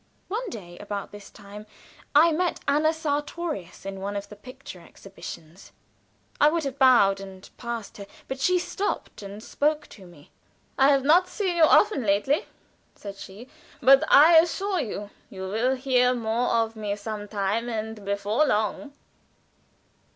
One day, about this time, I met Anna Sartorius in one of the picture exhibitions. I would have bowed and passed her, but she stopped and spoke to me. "I have not seen you often lately," said she; "but I assure you, you will hear more of me some time and before long."